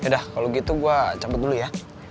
yaudah kalo gitu gue cabut dulu ya